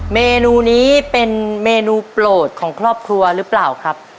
เมนูนี้เป็นเมนูโปรดของครอบครัวหรือเปล่าครับ